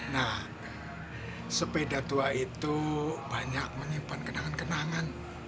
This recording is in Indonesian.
nah sepeda tua itu banyak menyimpan kenangan kenangan